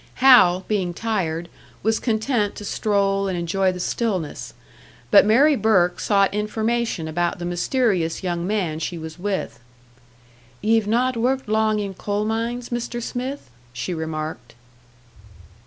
Hal, being tired, was content to stroll and enjoy the stillness; but Mary Burke sought information about the mysterious young man she was with. "Ye've not worked long in coal mines, Mr. Smith?" she remarked.